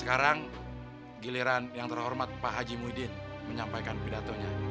sekarang giliran yang terhormat pak haji muidin menyampaikan pidatonya